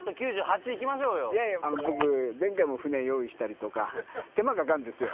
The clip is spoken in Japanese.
僕前回も船用意したりとか手間かかんですよ。